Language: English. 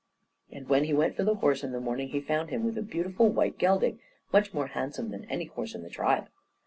And when he went for the horse in the morning, he found with him a beautiful white gelding, much more handsome than any horse in the tribe.